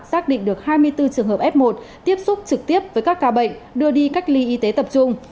xác định được hai mươi bốn trường hợp f một tiếp xúc trực tiếp với các ca bệnh đưa đi cách ly y tế tập trung